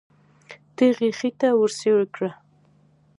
تیغ یې خېټه ورڅېړې کړه.